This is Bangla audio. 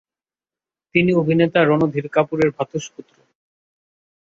তিনি অভিনেতা রণধীর কাপুরের ভ্রাতুষ্পুত্র।